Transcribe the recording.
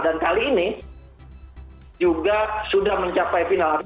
dan kali ini juga sudah mencapai final